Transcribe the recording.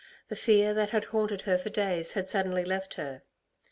The fear that had haunted her for days had suddenly left her.